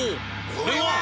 これは！